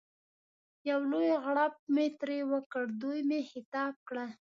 یو لوی غړپ مې ترې وکړ، دوی مې مخاطب کړل.